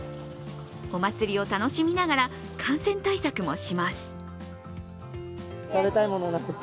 お祭りを楽しみながら感染対策もします。